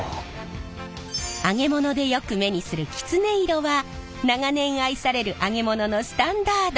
揚げ物でよく目にするキツネ色は長年愛される揚げ物のスタンダード！